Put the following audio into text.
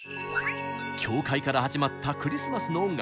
教会から始まったクリスマスの音楽。